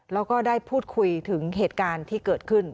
แล้วก็ได้พูดคุยถึงเหตุการณ์ที่เกิดขึ้น